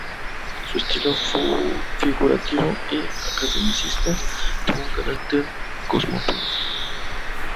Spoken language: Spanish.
Su estilo figurativo y academicista, tuvo un carácter cosmopolita.